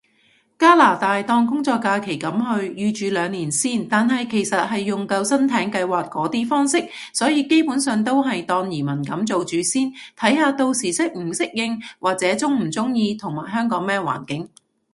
加拿大，當工作假期噉去，預住兩年先，但係其實係用救生艇計劃嗰啲方式，所以基本上都係當移民噉做住先，睇下到時適唔適應，或者中唔中意，同埋香港咩環境